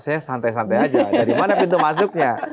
saya santai santai aja dari mana pintu masuknya